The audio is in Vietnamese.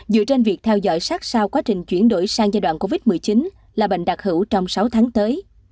dựa trên việc theo dõi sát sao quá trình chuyển đổi sang giai đoạn covid một mươi chín là bệnh đặc hữu trong sáu tháng tới